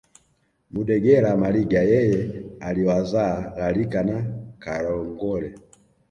Mudegela Maliga yeye aliwazaa Lalika na Kalongole